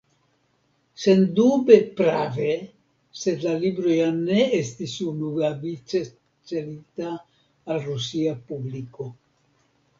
Sendube prave, sed la libro ja ne estas unuavice celita al rusia publiko.